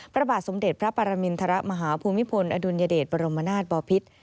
พระบาทสมเด็จพระปรมินทรมาฮภูมิพลอดุลยเดชบรมนาศบอพิษ